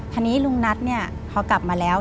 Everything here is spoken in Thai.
ทีนี้ลุงนัทเนี่ยพอกลับมาแล้ว